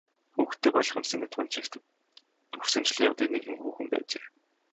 Хүүхэдтэй болох юмсан гэж тун ч их хүсэмжлэн явдаг нэгэн хүүхэн байжээ.